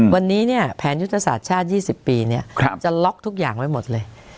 วันนี้แผนยุทธศาสตร์ชาติ๒๐ปีจะล็อกทุกอย่างไว้หมดเลย